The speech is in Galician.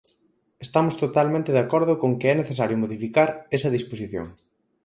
Estamos totalmente de acordo con que é necesario modificar esa disposición.